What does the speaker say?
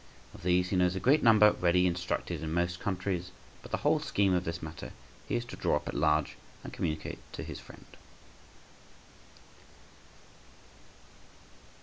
Of these he knows a great number ready instructed in most countries; but the whole scheme of this matter he is to draw up at large and communicate to his friend.